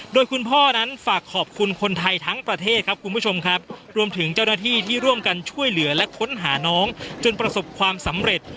โดยคุณพ่อนั้นฝากขอบคุณคนไทยทั้งประเทศครับคุณผู้ชมครับรวมถึงเจ้าหน้าที่ที่ร่วมกันช่วยเหลือและค้นหาน้องจนประสบความสำเร็จ